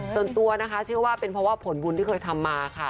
ส่วนตัวนะคะเชื่อว่าเป็นเพราะว่าผลบุญที่เคยทำมาค่ะ